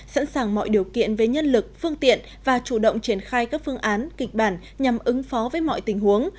sẵn sàng mọi điều kiện về nhân lực phương tiện và chủ động triển khai các phương án kịch bản nhằm ứng phó với mọi tình huống